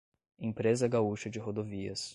Empresa Gaúcha de Rodovias